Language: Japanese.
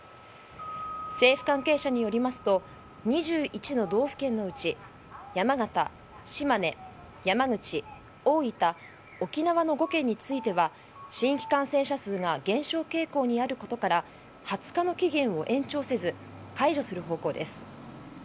政府関係者によりますと２１の道府県のうち山形、島根、山口、大分沖縄の５県については新規感染者数が減少傾向にあることから２０日の期限を延長せず解除する方向です。